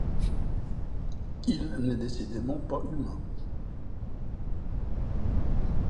Il n'est décidément pas humain.